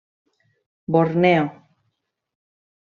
Borneo.